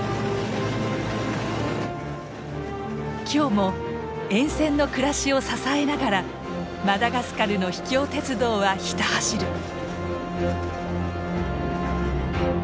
今日も沿線の暮らしを支えながらマダガスカルの秘境鉄道はひた走る。